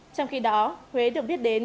trong khi đó huế được biết đến